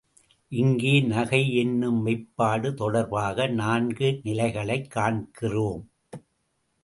இங்கே நகை என்னும் மெய்ப்பாடு தொடர்பாக நான்கு நிலைகளைக் காண்கிறோம்.